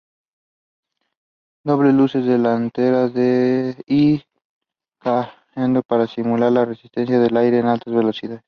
Dobles luces delanteras y carenado para disminuir la resistencia al aire en altas velocidades.